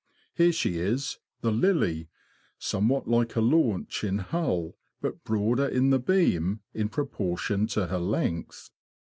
Here she is, the *' Lily "— somewhat like a launch in hull, but broader in the beam in proportion to her length.